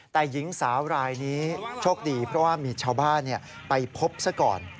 แต่หญิงสาวรายนี้โชคดีเพราะว่ามีชาวบ้านไปพบซะก่อน